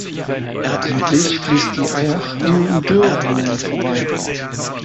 Südlich fließt die Eyach an Dürrwangen vorbei.